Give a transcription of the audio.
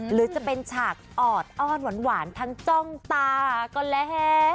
หรือจะเป็นฉากออดอ้อนหวานทั้งจ้องตาก็แล้ว